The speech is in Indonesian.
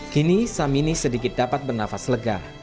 kini samini sedikit dapat bernafas lega